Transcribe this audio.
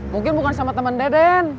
mungkin bukan sama teman deden